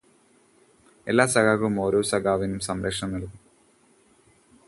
എല്ലാ സഖാക്കളും ഓരോ സഖാവിനും സംരക്ഷണം നൽകും.